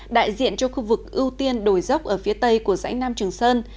đại diện cho khu vực ưu tiên đổi dốc ở phía tây của dãy nam trường sơn